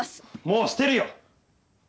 もうしてるよ！